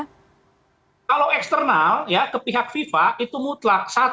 kalau eksternal ya ke pihak fifa kalau eksternal ya ke pihak fifa kalau eksternal ya ke pihak fifa